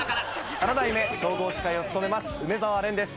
７代目総合司会を務めます梅澤廉です。